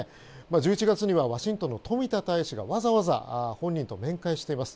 １１月にはワシントンの冨田大使がわざわざ本人と会談しています。